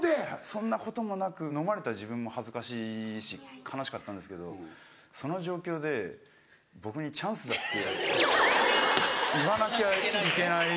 そんなこともなくのまれた自分も恥ずかしいし悲しかったんですけどその状況で僕に「チャンスだ」って言わなきゃいけない。